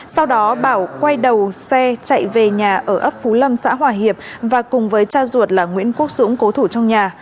sau đó bảo quay đầu xe chạy về nhà ở ấp phú lâm xã hòa hiệp và cùng với cha ruột là nguyễn quốc dũng cố thủ trong nhà